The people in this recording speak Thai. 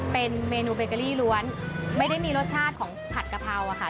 เป็นเมนูเบเกอรี่ล้วนไม่ได้มีรสชาติของผัดกะเพราอะค่ะ